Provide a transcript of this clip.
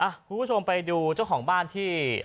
คุณผู้ชมไปดูเจ้าของบ้านที่